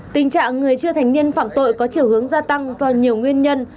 tình trạng người chưa thành niên phạm tội có chiều hướng gia tăng do nhiều nguyên nhân